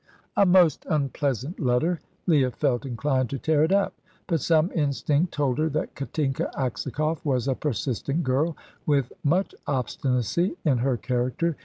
A most unpleasant letter. Leah felt inclined to tear it up, but some instinct told her that Katinka Aksakoff was a persistent girl, with much obstinacy in her character.